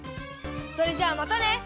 それじゃあまたね！